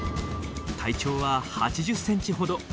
体長は８０センチほど。